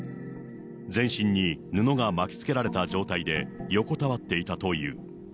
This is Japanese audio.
全身に布が巻きつけられた状態で横たわっていたという。